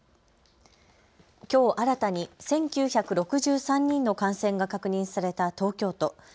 きょう新たに１９６３人の感染が確認された東京都。